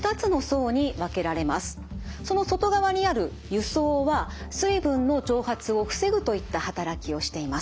その外側にある油層は水分の蒸発を防ぐといった働きをしています。